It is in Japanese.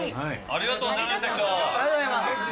ありがとうございます。